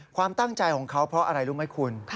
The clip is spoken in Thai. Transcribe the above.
ความตั้งใจของเขาเพราะอะไรรู้ไหมคุณ